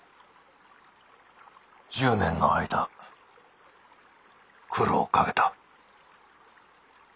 １０年の間苦労をかけた。